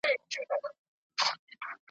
ستا له نوم سره گنډلي ورځي شپې دي ,